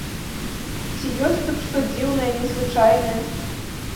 Ці ёсць тут што дзіўнае, незвычайнае?